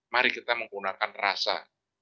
mari kita menggunakan rasa